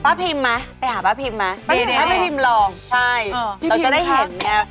ป้าพิมมาไปหาป้าพิมมาไปหาป้าพิมลองใช่เราจะได้เห็นเนี่ยพี่พิมค่ะ